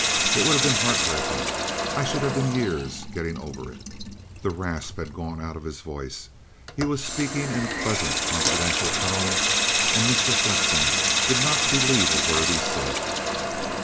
It would have been heartbreaking; I should have been years getting over it." The rasp had gone out of his voice. He was speaking in a pleasant, confidential tone, and Mr. Flexen did not believe a word he said.